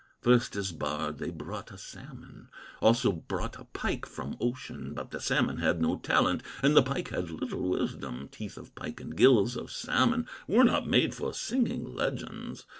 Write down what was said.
First as bard they brought a salmon, Also brought a pike from ocean, But the salmon had no talent, And the pike had little wisdom; Teeth of pike and gills of salmon Were not made for singing legends.